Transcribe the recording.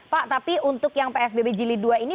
pak tapi untuk yang psbb jilid dua ini